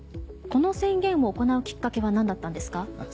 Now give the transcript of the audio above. この宣言を行うきっかけは何だったんですか？